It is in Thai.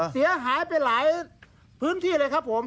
เสียหายไปหลายพื้นที่เลยครับผม